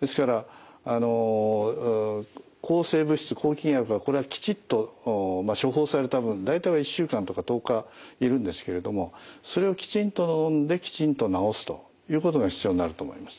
ですから抗生物質抗菌薬はこれはきちっと処方された分大体は１週間とか１０日いるんですけれどもそれをきちんとのんできちんと治すということが必要になると思います。